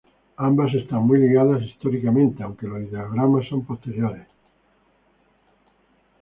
Ambas están muy ligadas históricamente, aunque los Ideogramas son posteriores.